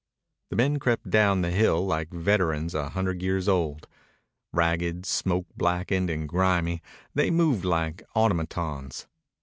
The men crept down the hill like veterans a hundred years old. Ragged, smoke blackened, and grimy, they moved like automatons.